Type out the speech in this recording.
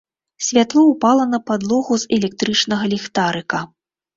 Святло ўпала на падлогу з электрычнага ліхтарыка.